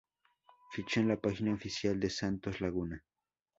Ficha En La Página oficial De Santos Laguna